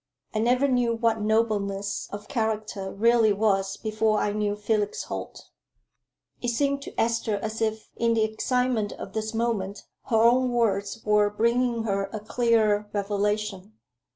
I never knew what nobleness of character really was before I knew Felix Holt." It seemed to Esther as if in the excitement of this moment, her own words were bringing her a clearer revelation.